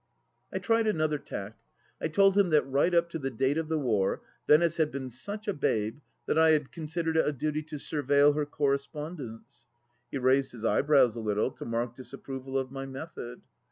I tried another tack. I told him that right up to the date of the war, Venice had been such a babe that I had considered it a duty to surveiller her correspondence , He raised his eyebrows a little, to mark disapproval of my method.